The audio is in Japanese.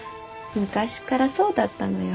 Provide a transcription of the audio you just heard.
昔っからそうだったのよ。